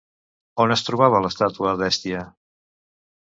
On es trobava l'estàtua d'Hèstia?